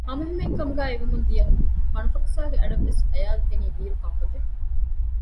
ހަމަހިމޭން ކަމުގައި އިވެމުން ދިޔަ ފަނުފަކްސާގެ އަޑަށްވެސް އަޔަާޒު ދިނީ ބީރު ކަންފަތެއް